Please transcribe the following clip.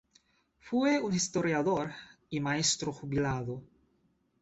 Fue un historiador y maestro jubilado.